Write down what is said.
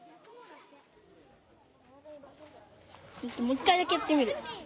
もう一回だけやってみる。